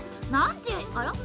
あら？